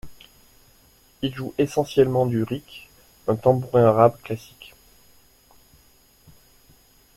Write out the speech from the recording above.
Il joue essentiellement du riqq, un tambourin arabe classique.